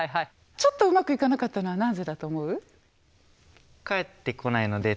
ちょっとうまくいかなかったのはなぜだと思う？